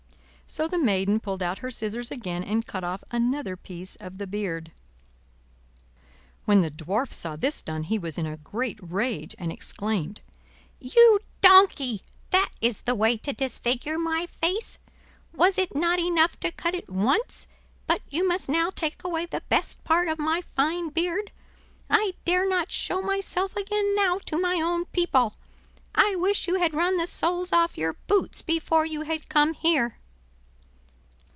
So the Maiden pulled out her scissors again and cut off another piece of the beard. When the Dwarf saw this done he was in a great rage, and exclaimed: "You donkey! that is the way to disfigure my face. Was it not enough to cut it once, but you must now take away the best part of my fine beard? I dare not show myself again now to my own people. I wish you had run the soles off your boots before you had come here!"